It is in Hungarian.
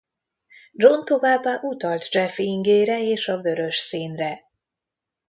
John továbbá utalt Jeff ingére és a vörös színre.